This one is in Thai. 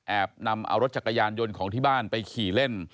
นำเอารถจักรยานยนต์ของที่บ้านไปขี่เล่น